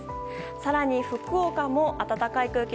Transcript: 更に福岡も暖かい空気